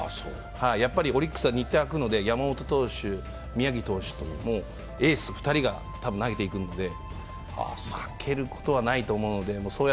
やっぱりオリックスは日程があくので、山本投手、宮城投手とエース２人が投げていくので負けることはないと思うので。